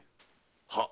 はっ。